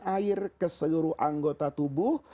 air ke seluruh anggota tubuh